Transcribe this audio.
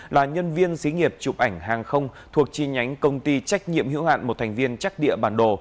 là nhân viên xí nghiệp chụp ảnh hàng không thuộc chi nhánh công ty trách nhiệm hữu hạn một thành viên chắc địa bản đồ